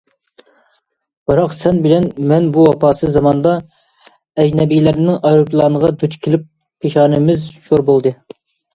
بىراق، سەن بىلەن مەن بۇ ۋاپاسىز زاماندا ئەجنەبىيلەرنىڭ ئايروپىلانىغا دۇچ كېلىپ پېشانىمىز شور بولدى.